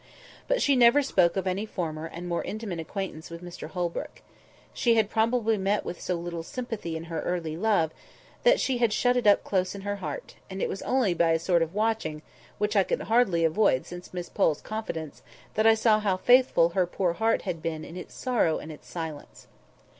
But she never spoke of any former and more intimate acquaintance with Mr Holbrook. She had probably met with so little sympathy in her early love, that she had shut it up close in her heart; and it was only by a sort of watching, which I could hardly avoid since Miss Pole's confidence, that I saw how faithful her poor heart had been in its sorrow and its silence.